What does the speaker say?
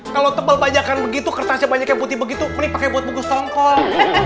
kalo tebel bajakan begitu kertasnya banyak yang putih begitu ini pake buat bungkus tongkol